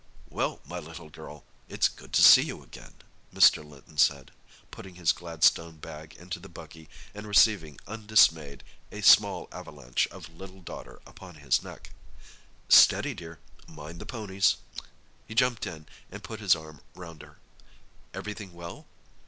"Well, my little girl, it's good to see you again," Mr. Linton said, putting his Gladstone bag into the buggy and receiving undismayed a small avalanche of little daughter upon his neck. "Steady, dear—mind the ponies." He jumped in, and put his arm round her. "Everything well?"